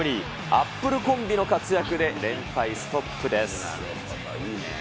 アップルコンビの活躍で連敗ストなるほど、いいね。